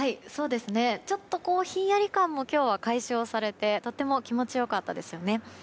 ちょっと、ひんやり感も今日は解消されてとても気持ち良かったですよね。